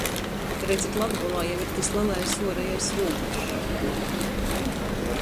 Redzit, Latgolā jau ir tys lelais uorejais rūbežs.